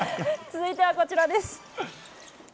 続いてはこちらです。